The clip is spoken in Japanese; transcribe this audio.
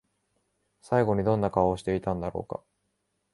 最後にどんな顔をしていたんだろうか？